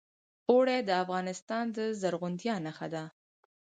اوړي د افغانستان د زرغونتیا نښه ده.